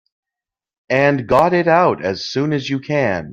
And got it out as soon as you can.